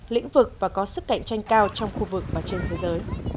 lĩnh vực và có sức cạnh tranh cao